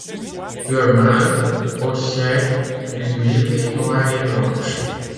Le mâle possède une livrée noire et blanche.